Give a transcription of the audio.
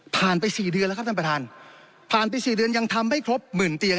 ไปสี่เดือนแล้วครับท่านประธานผ่านไปสี่เดือนยังทำไม่ครบหมื่นเตียง